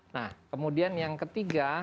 nah kemudian yang ketiga